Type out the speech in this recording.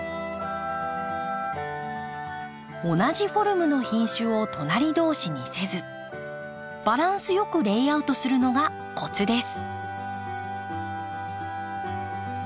同じフォルムの品種を隣同士にせずバランス良くレイアウトするのがコツです。